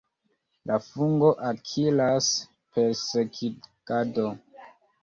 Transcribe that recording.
La fungo akiras, per sekigado.